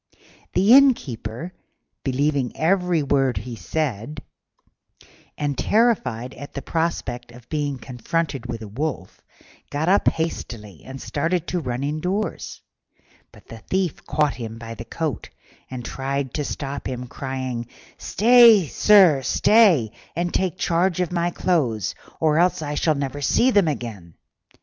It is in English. The Innkeeper, believing every word he said, and terrified at the prospect of being confronted with a wolf, got up hastily and started to run indoors; but the Thief caught him by the coat and tried to stop him, crying, "Stay, sir, stay, and take charge of my clothes, or else I shall never see them again."